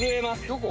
どこ？